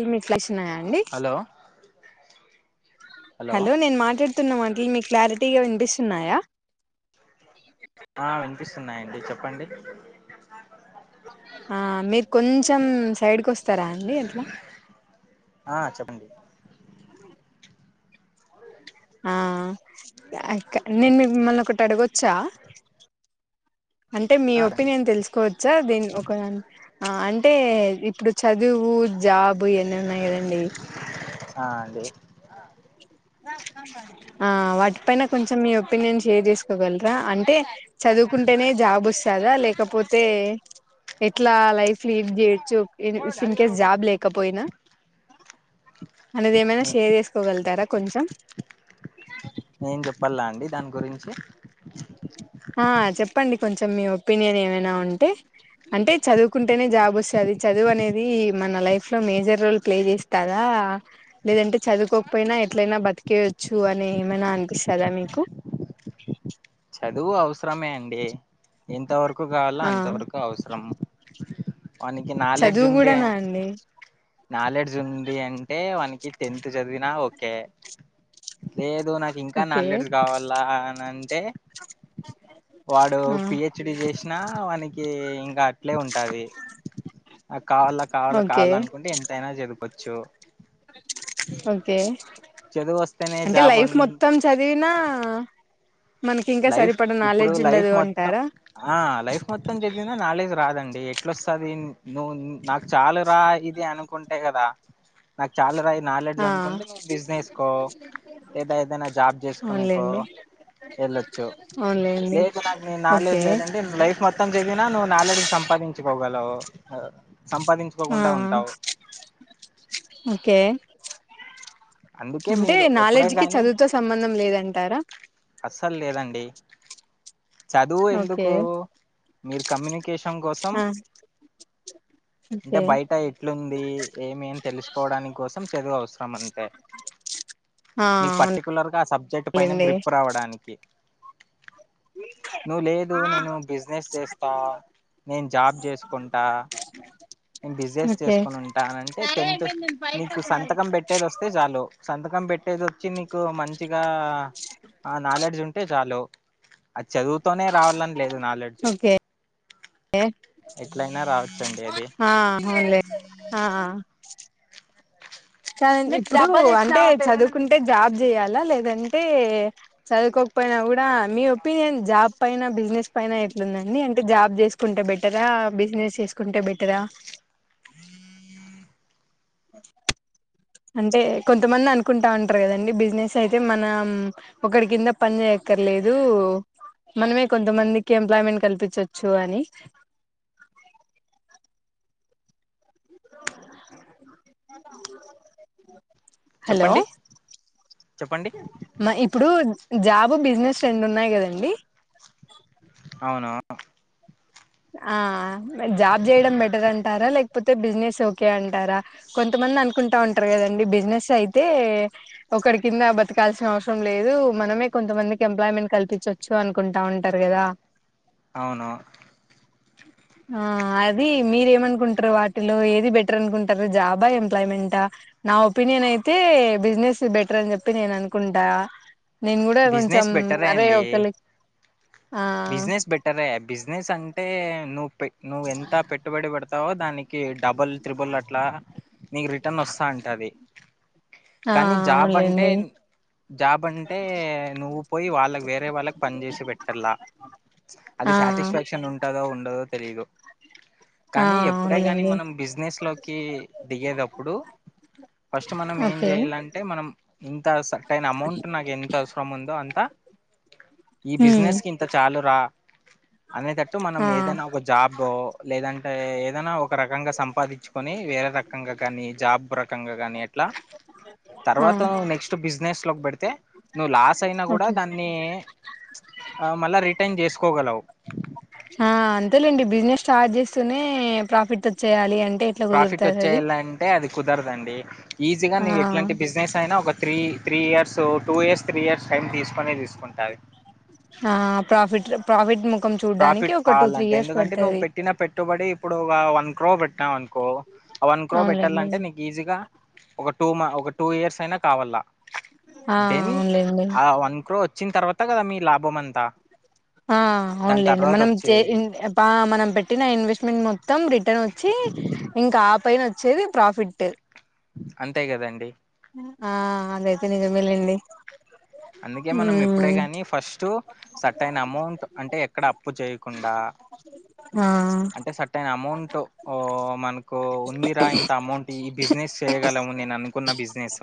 లు మీ ఫ్లాస్ ఉన్నాయా అండి హలో హలో నేను మాట్లాడుతున్నాం అంటి మీకు క్లారిటీగా వినిపిస్తున్నాయా, ఆ వినిపిస్తున్నాయండి చెప్పండి. ఆ మీరు కొంచెం సైడ్కి వస్తారా అండి ఎట్లా ఆ చెప్పండి ఆ నేను మిమ్మల్ని ఒకటి అడుగొచ్చా అంటే మీ ఆ అండి ఒపీనియన్ తెలుసుకోవచ్చా దీని ఒక అంటే ఇప్పుడు చ చదువు జాబ్ అన్ని ఉన్నాయి కదండి [unintelligible] ఆ వాటి పైన కొంచెం మీ ఒపీనియన్ షేర్ చేసుకోగలరా అంటే చ చదువుకుంటేనే జాబ్ వస్తదా లేకపోతే ఎట్లా లైఫ్ లీడ్ చేయొచ్చు, ఇ ఇన్ కేస్ జాబ్ లేకపోయినా అనేది ఏమైనా షేర్ చేసుకోగలుతారా, కొంచెం నేను చెప్పాల అండి దాని గురించి ఆ చెప్పండి కొంచెం మీ ఒపీనియన్ ఏమైనా ఉంటే అంటే చదువుకుంటేనే జాబ్ వస్తాది చదువు అనేది మన లైఫ్ లో మేజర్ రోల్ ప్లే చేస్తారా లేదంటే చదువుకోకపోయినా ఎట్లైనా బతికేయవచ్చు అని ఏమైనా అనిపిస్తాదా మీకు [unintelligible] చదువు అవసరమే అండి ఇంతవరకు కావాలో ఆ అంతవరకు అవసరం వానికి నాలెడ్జ్ చదువు ఉండే కూడానా అండి నాలెడ్జ్ ఉంది అంటే వానికి టెన్త్ చదివినా ఒకే లేదు నాకు ఇంకా ఓకే నాలెజ్ కావాలా అని అంటే [unintelligible] వాడు ఆ పిహెచ్డి చేసినా వానకి ఇంకా అట్లే ఉంటాది. ఆ కావాల కావాలా ఓకే కావాల అనుకుంటే ఎంతయినా చదుకోవచ్చు, ఓకే చదువు వస్తేనే అంటే జాబ్ లైఫ్ అన్ మొత్తం చదివినా మనకి ఇంకా లైఫ్ సరిపడ ఇప్పుడు నాలెడ్జ్ లైఫ్ ఉండదు మొత్తం అంటారా ఆ లైఫ్ మొత్తం చదివినా నాలెడ్జ్ రాదండి. అండి ఎట్లొస్తది నువ్వు నాకు చాలా రా ఇది అనుకుంటే కదా నాకు చాలా రా నాలెడ్జ్ ఆ అనుకుంటే నువ్వు బిజినెస్కో, లేదా ఏదైనా జాబ్ చేసుకునికో అవునులేండి [unintelligible] అవునులేండి లేదు నాకు నీ నాలెడ్జ్ ఓకే లేదండి లైఫ్ మొత్తం చదిిన నువ్వు నాలెడ్జ్ సంపాదించకోవ ఓగాలు ఆ సంపాదించుకోకుండా ఆ! ఉంటావు. ఓకే అందుకే అంటే మీరు ఎప్పుడే నాలెడ్జ్కిి గాని చదువుతో సంబంధం లేదంటారా, అస్సలు లేదండి చదువు ఓకే ఎందుకు మీరు కమ్యూనికేషన్ కోసం ఆ అంటే ఓకే బయట ఎట్లుంది ఏమి అని తెలుసుకోవడా కోసం చదువు అవసరం అంటే ఆ నీకు పర్టికులర్గా ఆ సబ్జెక్ట్ పైన అవునులేండి గ్రిప్ రావడానికి నువ్వు లేదు నేను బిజినెస్ చేస్తా నేను జాబ్ చేసుకుంటా నేను బిజినెస్ ఓకే చేసుకొని ఉంటానంటే టెన్త్ నీకు సంతకం పెట్టేది వస్తే చాలు సంత కం పెట్టేది వచ్చి నీకు మంచిగా ఆ నాలెడ్జ్ ఉంటే చాలు అది చదువుతోనే రావాలని లేదు నాలెడ్జ్ ఓకే ఎట్లయినా రావచ్చండి అది ఆ అవునులే మీకు అంటే చదువుకుంటే జాబ్ చేయాలా లేదంటే చదువుకో పోయినా కూడా మీ ఒపీనియన్ జాబ్ పైన బిజినెస్ పైైన ఎట్లుందండి అంటే జాబ్ చేసుకుంటే బెటరా ఆ బిజినెస్ చేసుకుంటే బెటరా ఆ అంటే కొంతమంది అనుకుంటా ఉంటారు కదండి బిజినెస్ అయితే మనం ఒకరి కింద పని చెయాక్కర్లేదు మనమే కొంతమందికి ఎంప్లాయ్మెంట్ కల్పించోచ్చు అని హలో చెప్పండి చెప్పండి మా ఇప్పుడు జాబ్ బిజినె స్ రెండు ఉన్నాయి కదండి అవును ఆ లైక్ జాబ్ చేయడం బెటర్ అంటారా లేక్ కాపోతే బిజినెస్ ఓకే అంటారా కొంతమంది అనుకుంటా ఉంటారు కదండి బిజినెస్ అయితే ఒకరి కింద బతకాల్సిన అవసరం లేదు మనమే కొంతమందికి ఎంప్లాయ్మెంట్ కల్పించవచ్చు అనుకుంటా ఉంటారు క దా అవును ఆ అది మీరేమనుకుంటారు వాటిలో ఏది బెటర్ అనుకుంటారు జాబా ఎంప్లాయ్మెంటా నా ఒపీనియన్ అయితే బిజినెస్ బెటర్ అని చెప్పి నేను అనుకుంటా నేను కూడా కొంచెం బిజినెస్ బెటరే అరే అండి ఒకలి ఆ బిజినెస్ బెటరే బిజినెస్ అంటే నువ్వు పె నువ్వ ఎంత పెట్టుబడి పెడతావో దానికి కి డబుల్ త్రిబుల్ అట్లా నీకు రిటర్న్ వస్తా అంటది ఆ కానీ జాబ్ అంటే అవునులేండి జాబ్ అంటే నువ్వు పోయి వాళ్ళకి వేరే వాళ్ళకి పని చేేసి పెట్టల్ల అది ఆ సాటిస్ఫాక్షన్ ఉంటదో ఉండదో తెలీదు ఆ కానీ ఎప్పుడే కాని అవునులేండి మనం బిజినెస్ లోకి దిగేదప్పుడు ఫస్ట్ మనం ఏం ఓకే చెయాలంటే మనం ఇంత సటైన్ అమౌంట్ నాకేంత అవసరం ఉందో అంత ఈ ఉమ్ బిజినెస్ కి ఇంత చాలు రా అనేటట్టు మనం ఆ ఏదైనా ఒక జాబో లేదం అంటే ఏదైనా ఒక రకంగా సంపాదించుకొని వేరే రకంగా కానీ జాబ్ రకంగా కానీ ట్ల ఆ తర్వాత నెక్స్ట్ బిజినెస్ లోకి పెడితే నువ్వు లాస్ అయినా కూడా ఓకే దాన్ని మళ్ళా రిటర్న్ చేసుకోగలవు ఆ అంతేలేండి బిజినెస్ స్టార్ట్ చేస్తూనే ప్రాఫిట్ వచ్చేయాలి అం ప్రాఫిట్ వచ్చేయ్యలా అంటే అది కుదరదండి ఈజీగా ఆ నీవు ఎట్లాంటి బిజినెస్ అయినా ఒక three three years two years three years time తీసుకుొనే తీసుకుంటాది ప్రఫీడ్ ము ప్రాఫిట్ కావాలంటే ఎందుకంటే నువ్వు పెట్టిన పెట్టుబడి ఇప్పుడు ఒక వన్ క్రో పెట్టా వన్కో ఆ వన్ క్రో అవునులేండి పెట్టాలంటే నీకు ఈజీగా ఒక టూ ఒక టూ ఇయర్స్ అయినా కావాల ఆ దెన్ అవునులేండి ఆ వన్ క్రో వచ్చిన తర్వాత కదా మీ లాభం అంతా ఆ దాని అవునులేండి తర్వాత మనం జే వచ్చేది ఇన్ బా మనం పెట్టిన ఇన్వెస్ట్మెంట్ మొత్ మొత్తం రిటర్న్ వచ్చి ఇంకా ఆ పైన వచ్చేది ప్రాఫిట్ అంతే కదండి ఆ అదైతే నిజమే లేండి అందుకే మనం ఎప్పుడే కాని ఫస్ట్ సట్ అయిన అమౌంట్, అంటే ఎక్కడ అప్పు చేయకుండా ఆ అంటే సట్ అయిన అమౌంట్ ఓ మనకు ఉందిరా ఇంత అమౌంట్ ఈ బిజినెస్ చేయగలము నేను అనుకున్న బిజినెస్,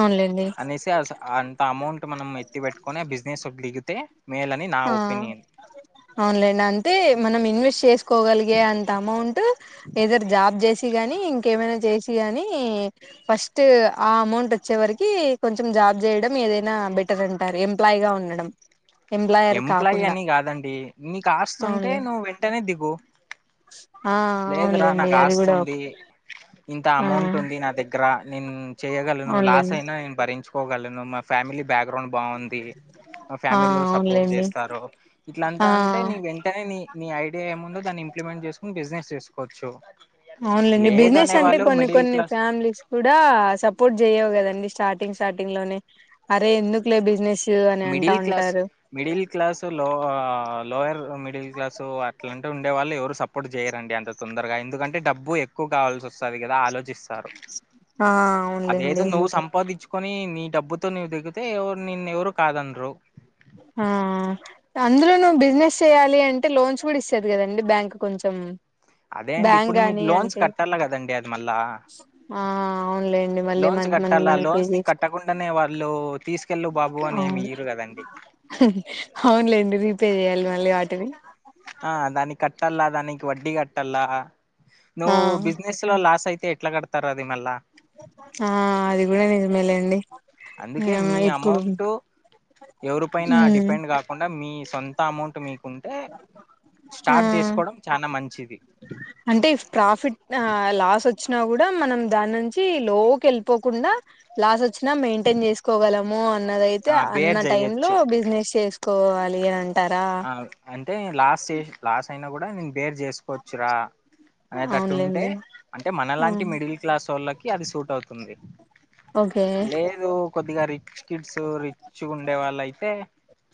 అవునులేండి అనేసి అస్ ఇంత అమౌంట్ మనం ఎత్తి పెట్టుకొని బిజినెస్ దిగితే మేల్ అని నా ఆ ఒపీనియన్ అవునులేండి అంటే మనం ఇన్వెస్ట్ చేసుకోగలిగే అంత అమౌంట్ ఏదరు జాబ్ చేసి గాని ఇంకేమైనా చేసిగాని ఫస్ట్ ఆ అమౌంట్ వచ్చే వరికి కొంచ్ జాబ్ చేయడం ఏదైనా బెటర్ అంటారు ఎంప్లాయ్గా ఉండడం ఎంప్లాయర్ ఎంప్లాయ్ కాకుండా అని కాదండి నీకు ఆస్తుంటే అవునులే నువ్వు వెంటనే దిగు ఆ లేదురా అవునులేండి నాకు అది కూడా ఒక ఆస్తుంది ఇంత ఆ అమౌంట్ ఉంది నా దగ్గర నేను చేయ్యగలను లాస్ అవునులేండి అయినా నేను భరించు కోగలను మా ఫ్యామిలీ బ్యాక్గ్రౌండ్ బాగుంది మా ఆ ఫ్యామిలీలో సపోర్ట్ అవునులేండి చేస్తారు ఇట్లంతా ఆ అంటే నీ వెంటనే నీ నీ ఐడియా ఏముందో దాని ఇంప్లిమెంట్ చేసుకుని బిజినెస్ చేసుకోవచ్చు అవునులేండి బిజినెస్ లేదనే అంటే వాళ్ళు కొన్ని మిడిల్ కొన్ని క్లాస్ ఫ్యామిలీస్ కూడా సపోర్ట్ చెయ్యవు కదా అన్ని స్టార్టింగ్ స్టార్టింగ్ లోనే అరే ఎందుకు లే బిజినెస్ అని అంటా మిడిల్ క్లాస్ ఉంటారు మిడిల్ క్లాస్ లో లోయర్ మిడిల్ క్లాస్ అట్లాంటి ఉండే వాళ్ళు ఎవరు సపోర్ట్ చేయరండి అంత తొందరగా ఎందుకంటే డబ్బు ఎక్కు కావాల్సోస్తాది కదా ఆలోచిస్తారు, ఆ అదేదో అవునులేండి నువ్వు సంపాదించు కుని నీ డబ్బుతో నీవు దిగితే ఎవరు నిన్నెవరు కాదనరు ఆ అందులో నువ్వు బిజినెస్ చెయాలి అంటే లోన్స్ కూడా ఇస్తది కదండి బ్యాంక్ కొంచెం అదే అండి బ్యాంక్ ఇప్పుడు గాని మీరు లోన్స్ అంటే కట్టాల కదండి అద్ మళ్ళ ఆ అవునులేండి మళ్ళీ లోన్స్ మంత్ మంత్ కట్టాలా మనం పే లోన్స్ ని చేస్త కట్టకుండానే వాళ్ళు తీసుకెళ్ళు బాబు అని ఏమి అవును, ఇయ్యరు కదండి అవునులేండి రీపే చెయాలి మళ్ళి ఆడ్ తెలి ఆ దానికట్టాల దానికి వడ్డీ కట్టల్ల ఆ నువ్వు బిజినెస్ లో లాస్ ఐతే తే ఎట్లా కడతారు అది మళ్ళా ఆ అది కూడా నిజమేలేండి అందుకే ఆ మీ ఇప్పుడు అమౌంట్ ఎవరి పైనా ఉమ్ డిపెండ్ కాకుండా మీ సొంత అమౌంట్ మీకుంటే ఆ స్టార్ట్ చేసుకోవడం చాన మంచిది అంటే ప్రాఫిట్ లాస్ వచ్చినా కూడా మనం దాన్నుంచి లో కెళ్ళిపోకుం డా లాసో వచ్చిన మెయింటైన్ చేసుకోగలము అన్నదైతే ఆ బేర్ అన్న టైం లో చెయ్యొచ్చు బిజినెస్ చేస్ కోవాలి అన్ ఆ అంటే లాస్ చే లాస్ అయినా కూడా నేను డేర్ చేసుకోవచ్చురా అనేటట్టు ఉంటే అవునులేండి అంటే ఆ మనలాంటి మిడిల్ క్లాసోళ్ళకి అది సూట్ అవుతుంది ఓకే లేదు కొద్దిగా రి రిచ్ కిడ్స్ రిచ్గుండే వాళ్ళు అయితే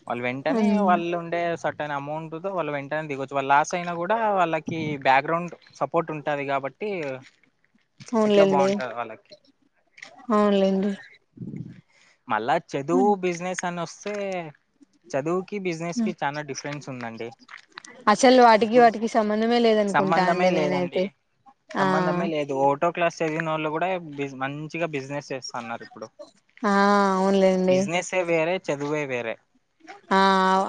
వాళ్ళు వెంటనే ఉమ్ వాళ్ళు సట్ ఐన అమౌంట్ తో వాళ్ళు వెంటనే దిగొచ్చు, వాళ్ళు లాస్ అయినా కూడా వాళ్ళకి బ్యాక్గ్రౌండ్ సపోర్ట్ ఉంటది, కాబట్టి ఇట్లా అవునులేండి బాగుంటాది వాళ్ళకి అవునులేండి మళ్ళా చదువు ఉమ్ బిజినెస్ అని వస్తే చదువుకి బిజినెస్ కి ఉమ్ చాలా డిఫరెన్స్ ఉందండి అసలు వాటికి ఇప్పుడు వాటికి సంబంధమే లేదనుకుంటా సంబంధమే అండి నేనైతే లేదండి ఆ సంబంధమే లేదు ఓటో క్లాస్ చదివిన వాళ్ళు కూడా బి మంచిగా బిజినెస్ చేస్తాన్నారు ఆ అవునులేండి బిజినెస్ ఎ వేరే చదువే వేరే ఆ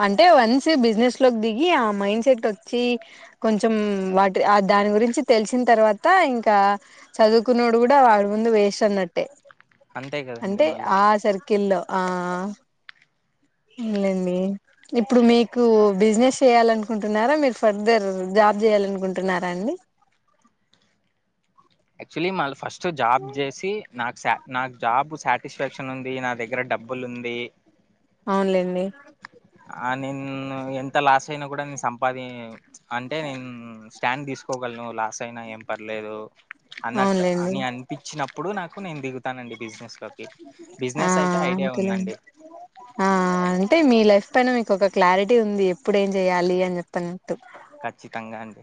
అంటే వన్స్ బిజినెస్ లోకి దిగి ఆ మైండ్ సెట్ వచ్చి కొంచం హ్మ్ వాటి ఆ దాని గురించి తెలిసిన తర్వాత ఇంకా చదువుకునోడు కూడా వాడి ముందు వేస్ ఉన్నట్టే అంతే కదండి అంటే మళ్ళా ఆ సర్కిల్ల్లో ఆ ఉనులేండి ఇప్పుడు మీకు బిజినెస్ చెయాల అనుకుంటున్నారా మీరు ఫర్దర్ జా జాబ్ చేయాలనుకుంటున్నారా అండి యాక్చువలీ మళ్ళ ఫస్ట్ జాబ్ చేసి నాకు స నాకు జాబ్ సాటిస్ఫాక్షన్ ఉంది నా దగ్గర డబ్బులు ఉంది అవునులేండి ఆ నేను ఎంత లాస్ అయినా కూడా నే సంపాది అంటే నేను స్టాండ్ తీసుకో ఓగాల నువ్వు లాస్ అయినా ఏం పర్లేదు అన్నట్టు అవునులేండి అని అనిపించినప్పుడు నాకు నేను దిగుతానండి బిజినెస్ లోకి ఆ బిజినెస్ అయితే ఐడియా ఉందండి అంతలేండి ఆ అంటే మీ లైఫ్ ఎంతైనా మీకు ఒక క్లారిటీ ఉంది ఎప్పుడు ఏం చెయాలి అని చెప్పని ఖచ్చితంగా అండి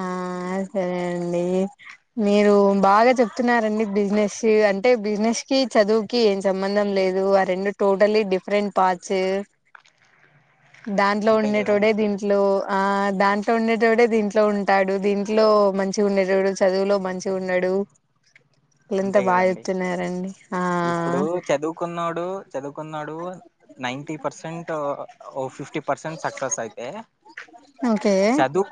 ఆ సరే అండి మీరు బాగా చెప్తున్నారండి బిజినెస్ అంటే బిజినెస్ కి చదువుకి ఏం సంబంద్ దం లేదు ఆ రెండు టోటలీ డిఫరెంట్ పార్ట్స్ దాంట్లో అంతే ఉండేటోడే కదండి మరి, దింట్లో ఆ దాంట్లో ఉండేటోడే దిం ట్లో ఉంటాడు దీంట్లో మంచిగా ఉండేటోడు చదువులో మంచి ఉండడు లే ఎంత అంతే బాగా కదండి చెప్తున్నారండి ఆ చదువుకునోడు నైన్టీ పర్సెంట్ ఓ ఫిఫ్టీ పర్సెంట్ సక్సెస్ అయితే ఓకే చదువు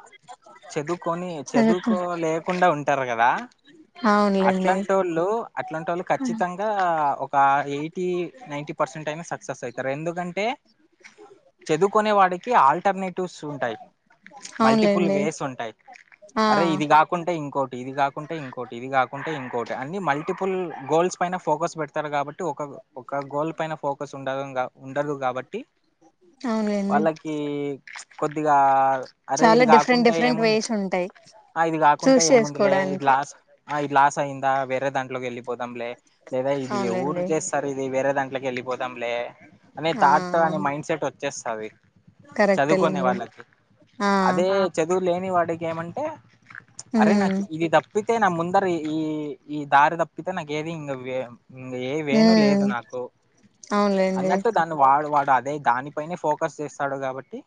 చదువుకొని చదువుకు చదువుకోలేకుండా ఉంటారు కదా అవునులేండి టోలు అట్లాంటోలు ఖచ్చితంగా ఓ క ఎయిటీ నైన్ంటీ పర్సెంట్ అయినా సక్సెస్ అయితారు ఎందుకంటే చదువుకోనే వాడికి ఆల్టర్నేట్ టుస్ ఉంటాయి మల్టిపుల్ అవునులేండి వేస్ ఉంటాయి ఆ అరే ఇది కాకుంటే ఇంకో టి ఇది కాకుంటే ఇంకోటి ఇది కాకుంటే ఇం కోట అన్ని మల్టిపుల్ గోల్స్ పైన ఫోకస్ పెడతారు కాబట్టి ఒక ఒక గోల్ పైన ఫోకస్ ఉండరం ఉండదు కాబట్టి అవునులేండి వాళ్ళకి కొద్దిగా అరే చాలా ఇది డిఫరెంట్ కాకుంటే డిఫరెంట్ ఏముంది వేస్ ఉంటాయి ఆ ఇది కాకుంటే చూస్ ఏముందులే ఇది చేసుకోవడానికి లాస్ ఆ ఇది లాస్ అయ్యిందా వేరే దాంట్లోకి వెళ్ళిపో పోదాంలే లేదా ఇది ఎవరు అవునులేండి చేస్తారు ఇది వేరే దాంట్లకి వెళ్ళిపోదాంలే అనే ఆ తాట్ అనే మైండ్ సెట్ వచ్చేస్ చదువుకోనే కరెక్టేలేండి వాళ్ళకి ఆ అదే చదువు లేని వాడికి ఏమంటే అరే నాకు ఉమ్ ఇది తప్పితే నా ముందర ఈ దారి తప్పితే నాకి ఏది ఇంగ వె ఇంగ ఎ వేను లేదు ఉమ్ నాకు అవునులేండి అన్నట్టు దాన్ని వాడు వా డ అదే దాని పైనే ఫోకస్ చేస్తాడు కాబట్టి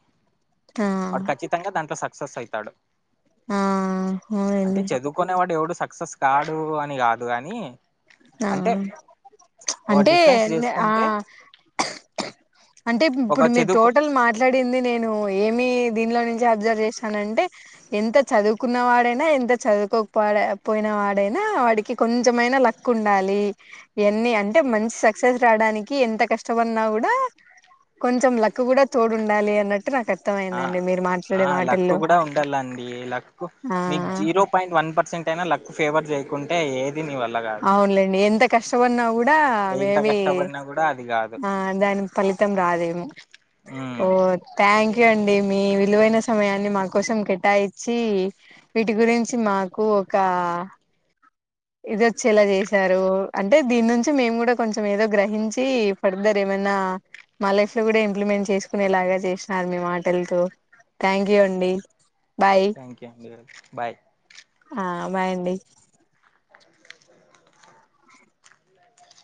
ఆ వాడు ఖచ్చితంగా దాంట్లో స క్సస్ అవుతాడు ఆ అంటే అవునండి చదువుకునేవాడు ఎవడు సక్సెస్ కాడు అని కాదు కానీ ఆ ఒక అంటే డిఫరెన్స్ ఆ చేసుకుంటే అంటే ఒక ఇప్పుడు మీరు చదువుకు టోటల్ మాట్లాడింది నేను ఏం మీ దీనిలో నుంచి అబ్జర్వ్ చేస్తానంటే ఎంత చదువుకున్న వాడైనా ఎంత చదువుకోకపడ పోయిన వాడైనా వాడికి కొంచెమైన ల కుండాలి ఇవన్నీ అంటే మంచి సక్సెస్ రాడానికి ఎంత కష్టపన్నా కూడా కొంచెం లక్ కూడా తోడుండాలి అన్నట్టు నాకు ఆ అర్థమయిందండి మీరు ఆ మాట్లాడే లక్కు మాటల్లో కూడా ఉండాలండి లక్కు ఆ మీకు జీరో పాయింట్ వ న్ పర్సెంట్ అయినా లక్ ఫేవర్ చేయకుంటే ఏద్ అవున్లేండి ఎంత కష్టపన్న కూడా ఎంత మేబి కష్టపడినా కూడా అది కాదు ఆ దాని ఫలితం రాదేమో ఓ థ్యాంక్ యూ అండి మీ విలువైన సమయాన్ని మా కోసం కేటాయించి వీటి గురించి మాకు ఒక ఆ ఇది వచ్చేలా చేశారు అంటే దీని నుంచి మేము కూడా కొంచెం ఏదో గ్రహించి ఫర్దర్ ఏమై నా మా లైఫ్ లో కూడా ఇంప్లిమెంట్ చేసుకునేలాగా చేసిన్నారు మీ మాటలతో థ్యాంక్ యూ అండి బాయ్ థ్యాంక్ యూ అండి బాయ్ ఆ బాయ్ అండి